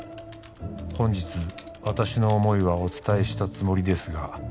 「本日私の思いはお伝えしたつもりですが」